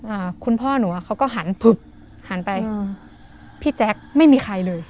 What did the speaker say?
อ่าคุณพ่อหนูอ่ะเขาก็หันผึบหันไปอืมพี่แจ๊คไม่มีใครเลย